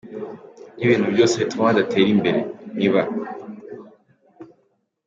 n’ibintu byose bituma badatera imbere. Ni ba